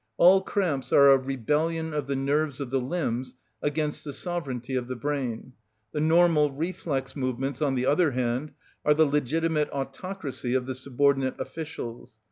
All cramps are a rebellion of the nerves of the limbs against the sovereignty of the brain; the normal reflex movements, on the other hand, are the legitimate autocracy of the subordinate officials.